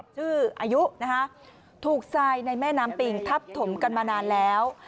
ชื่ออายุนะคะถูกทรายในแม่น้ำปิงทับถมกันมานานแล้ว